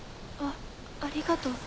あありがとう。